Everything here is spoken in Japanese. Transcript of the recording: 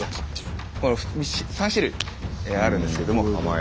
この３種類あるんですけども。